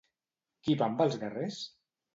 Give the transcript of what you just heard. Qui va amb els guerrers?